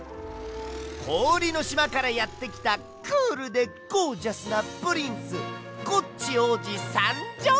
こおりのしまからやってきたクールでゴージャスなプリンスコッチおうじさんじょう！